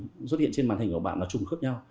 thì xuất hiện trên bàn thình của bạn là trùng khớp nhau